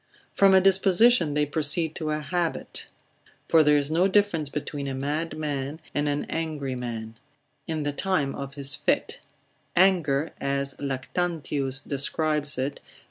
From a disposition they proceed to an habit, for there is no difference between a mad man, and an angry man, in the time of his fit; anger, as Lactantius describes it, L.